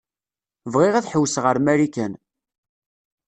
Bɣiɣ ad ḥewwseɣ ar Marikan.